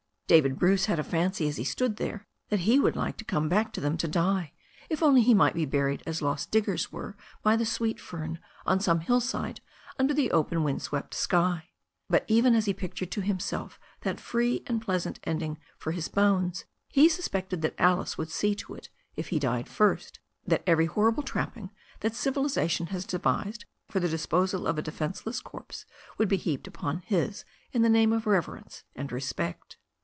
David Bruce had a fancy as he stood there that he would like to come back to them to die, if only he might be buried as lost diggers were by the sweet fern on some hillside under the open wind swept sky. But even as he pictured to himself that free and pleasant ending for his bones, he suspected that Alice would see to it, if he died first, that every horrible trapping that civilization has devised for the disposal of a defenceless corpse would be heaped upon his in the name of reverence and respect.